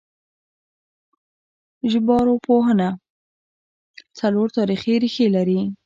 ژبارواپوهنه څلور تاریخي ریښې لري